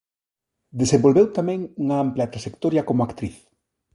Desenvolveu tamén unha ampla traxectoria como actriz.